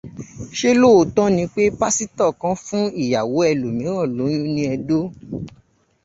Ṣé lóòótọ́ ní pé Pásítọ̀ kan fún ìyàwó ẹlòmíràn lóyún ní Ẹdó?